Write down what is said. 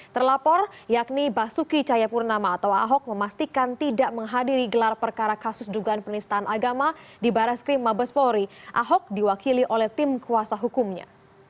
terlapor yakni basuki cayapurnama atau ahok memastikan tidak menghadiri gelar perkara kasus dugaan penistaan agama di baras krim mabespori ahok diwakili oleh tim kuasa hukumnya